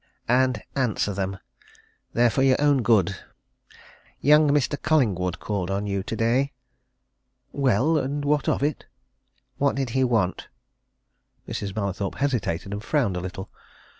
And answer them! They're for your own good. Young Mr. Collingwood called on you today." "Well and what of it?" "What did he want?" Mrs. Mallathorpe hesitated and frowned a little.